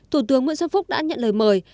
thủ tướng nguyễn xuân phúc đã nhận lời mời